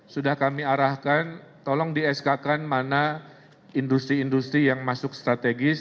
sudah kami arahkan tolong di sk kan mana industri industri yang masuk strategis